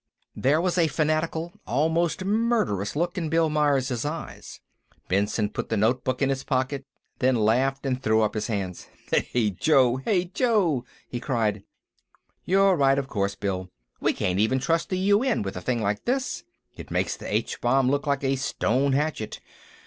There was a fanatical, almost murderous, look in Bill Myers' eyes. Benson put the notebook in his pocket, then laughed and threw up his hands. "Hey, Joe! Hey, Joe!" he cried. "You're right, of course, Bill. We can't even trust the UN with a thing like this. It makes the H bomb look like a stone hatchet....